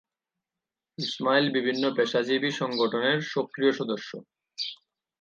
ইসমাইল বিভিন্ন পেশাজীবী সংগঠনের সক্রিয় সদস্য।